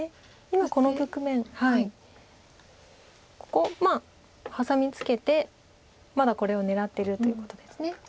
ここまあハサミツケてまだこれを狙ってるということです。